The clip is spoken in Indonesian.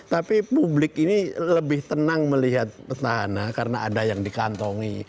tapi publik ini lebih tenang melihat petahana karena ada yang dikantongi